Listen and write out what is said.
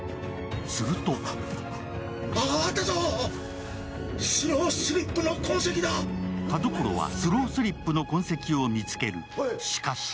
すると田所はスロースリップの痕跡を見つける。